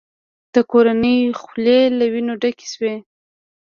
د کورنۍ خولې له وینو ډکې شوې.